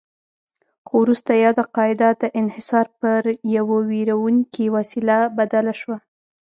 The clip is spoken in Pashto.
خو وروسته یاده قاعده د انحصار پر یوه ویروونکې وسیله بدله شوه.